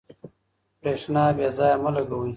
برېښنا بې ځایه مه لګوئ.